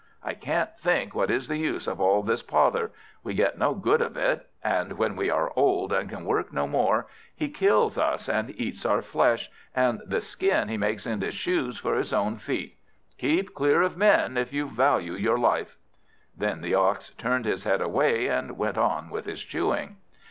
I can't think what is the use of all this pother; we get no good of it. And when we are old, and can work no more, he kills us, and eats our flesh, and the skin he makes into shoes for his own feet. Keep clear of Men, if you value your life." Then the Ox turned his head away, and went on with his chewing.